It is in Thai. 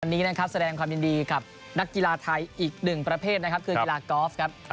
วันนี้แสดงความยินดีกับนักกีฬาไทยอีกหนึ่งประเภทคือกีฬากอล์ฟ